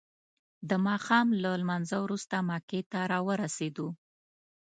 د ماښام له لمانځه وروسته مکې ته راورسیدو.